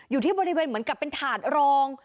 อยู่ที่บริเวณเหมือนกับเป็นถาดรอง